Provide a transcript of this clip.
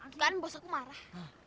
tidak bos aku marah